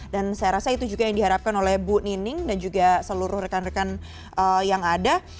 dan saya rasa itu juga yang diharapkan oleh bu nining dan juga seluruh rekan rekan yang ada